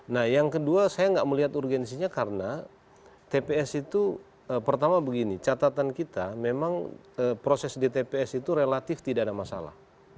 nah yang kedua saya nggak melihat urgensinya karena tps itu pertama begini catatan kita memang proses di tps itu relatif tidak ada masalah